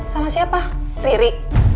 sama siapa riri